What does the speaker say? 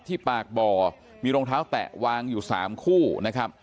ที่ปากบ่อมีรองเท้าแตะวางอยู่๓คู่นะครับ